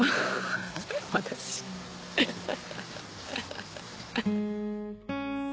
私ハハハ。